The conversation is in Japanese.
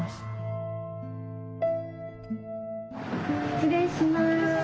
失礼します。